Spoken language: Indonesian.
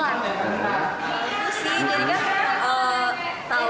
caranya kita punya tempe juga kayak apa gitu